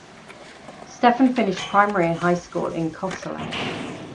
Stefan finished primary and high school in Kostolac.